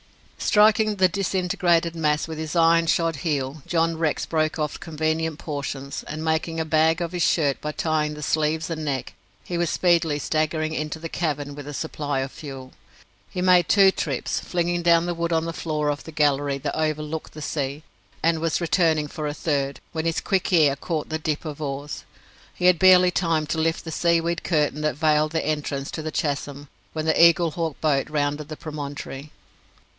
Striking the disintegrated mass with his iron shod heel, John Rex broke off convenient portions; and making a bag of his shirt by tying the sleeves and neck, he was speedily staggering into the cavern with a supply of fuel. He made two trips, flinging down the wood on the floor of the gallery that overlooked the sea, and was returning for a third, when his quick ear caught the dip of oars. He had barely time to lift the seaweed curtain that veiled the entrance to the chasm, when the Eaglehawk boat rounded the promontory.